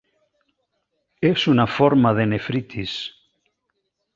És una forma de nefritis.